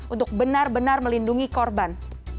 untuk benar benar melindungi korban